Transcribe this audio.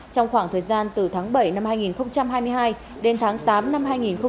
trong khoảng thời gian từ tháng bảy năm hai nghìn hai mươi hai đến tháng tám năm hai nghìn hai mươi ba